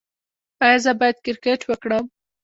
ایا زه باید کرکټ وکړم؟